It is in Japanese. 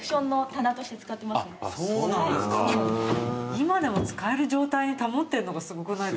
今でも使える状態に保ってるのがすごくないですか？